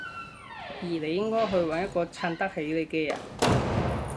而你應該去搵一個襯得起你嘅人